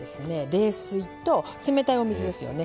冷水と冷たいお水ですよね。